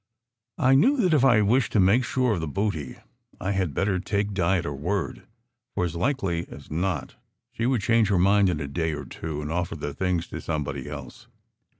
I knew that if I wished to make sure of the booty, I had better take Di at her word, for as likely as not she would change her mind in a day or two, and offer the things to somebody else.